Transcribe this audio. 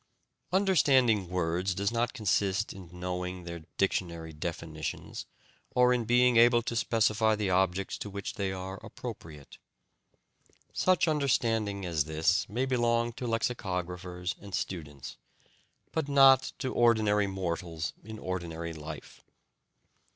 Understanding words does not consist in knowing their dictionary definitions, or in being able to specify the objects to which they are appropriate. Such understanding as this may belong to lexicographers and students, but not to ordinary mortals in ordinary life.